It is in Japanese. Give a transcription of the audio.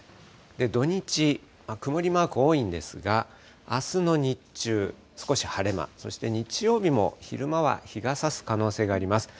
土日、曇りマーク多いんですが、あすの日中、少し晴れ間、そして日曜日も昼間は日がさす可能性があります。